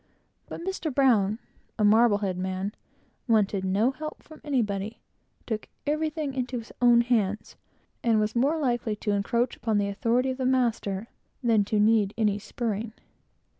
But Mr. Brown (the mate of the Alert) wanted no help from anybody; took everything into his own hands; and was more likely to encroach upon the authority of the master, than to need any spurring.